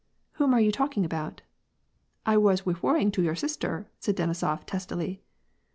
" Whom are you talking about ?"" I was refeVing to your sister," said Denisof, testily.